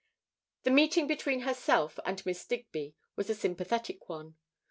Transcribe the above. The meeting between herself and Miss Digby was a sympathetic one.